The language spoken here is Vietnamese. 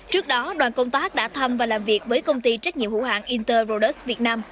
trước đó đoàn công tác đã thăm và làm việc với công ty trách nhiệm hữu hạng inter rodus việt nam